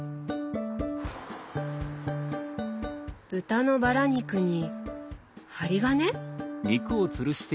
豚のバラ肉に針金？